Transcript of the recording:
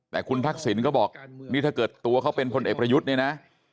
แต่คุณทักษิณก็บอกนี่ถ้าเกิดตัวเขาเป็นพลเอกประยุทธ์เนี่ยนะ